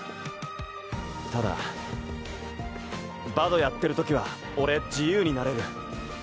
ただバドやってる時は俺自由になれる。